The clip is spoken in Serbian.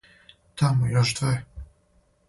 Тамо, још две!